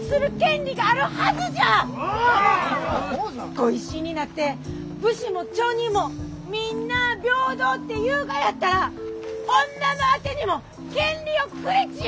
御一新になって武士も町人もみんなあ平等って言うがやったら女のあてにも権利をくれちや！